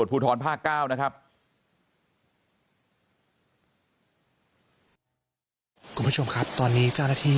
และก็คือว่าถึงแม้วันนี้จะพบรอยเท้าเสียแป้งจริงไหม